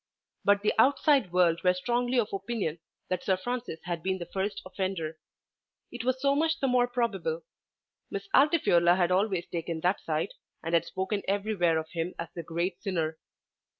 But the outside world were strongly of opinion that Sir Francis had been the first offender. It was so much the more probable. Miss Altifiorla had always taken that side, and had spoken everywhere of him as the great sinner.